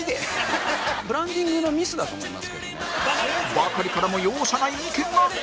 バカリからも容赦ない意見が！